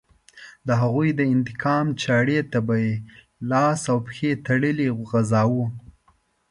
د هغوی د انتقام چاړې ته به یې لاس او پښې تړلې غځاوه.